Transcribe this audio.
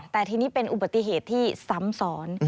แต่ทีนี้เป็นอุบัติเหตุที่ซ้ำซ้อน